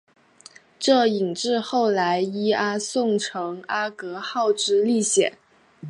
这引致后来伊阿宋乘阿格号之历险。